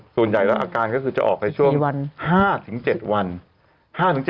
ส่วนใหญ่แล้วอาการก็คือจะออกในช่วง๕๗วัน